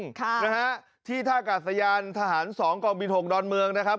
ข้าวนะคะที่ถ้ากัดสยานทหารสองกลางบิโธงดอนเมืองนะครับ